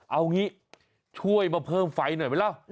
เอาอย่างนี้ช่วยมาเพิ่มไฟหน่อยไหมแล้ว